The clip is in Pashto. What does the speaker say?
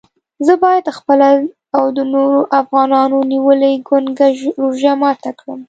زه باید خپله او د نورو افغانانو نیولې ګونګه روژه ماته کړم.